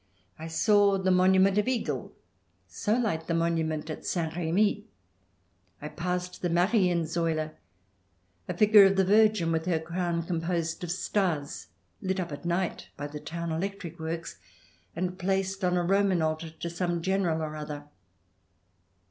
I saw the monu ment of Ygel, so like the monument at St. Remy. I passed the Marien Saule, a figure of the Virgin, with her crown, composed of stars, lit up at night by the town electric works, and placed on a Roman altar to some General or other.